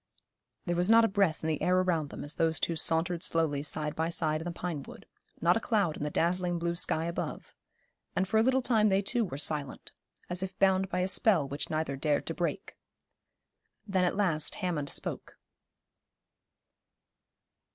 There was not a breath in the air around them as those two sauntered slowly side by side in the pine wood, not a cloud in the dazzling blue sky above; and for a little time they too were silent, as if bound by a spell which neither dared to break. Then at last Hammond spoke.